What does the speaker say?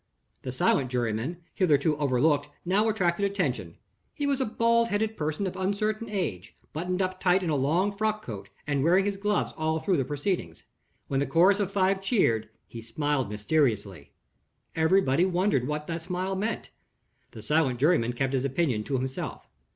The silent juryman, hitherto overlooked, now attracted attention. He was a bald headed person of uncertain age, buttoned up tight in a long frockcoat, and wearing his gloves all through the proceedings. When the chorus of five cheered, he smiled mysteriously. Everybody wondered what that smile meant. The silent juryman kept his opinion to himself.